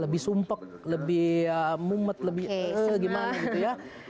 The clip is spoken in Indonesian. lebih sumpek lebih mumet lebih gimana gitu ya